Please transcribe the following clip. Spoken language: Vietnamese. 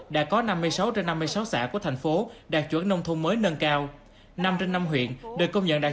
đã có năm mươi sáu trên năm mươi sáu xã của thành phố đạt chuẩn nông thôn mới nâng cao năm trên năm huyện được công nhận đạt